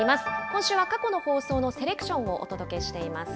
今週は過去の放送のセレクションをお届けしています。